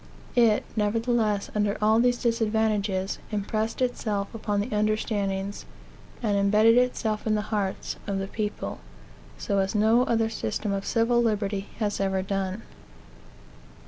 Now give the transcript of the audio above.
It, nevertheless, under all these disadvantages, impressed itself upon the understandings, and imbedded itself in the hearts, of the people, so as no other system of civil liberty has ever done.